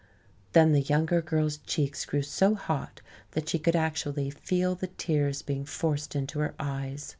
Then the younger girl's cheeks grew so hot that she could actually feel the tears being forced into her eyes.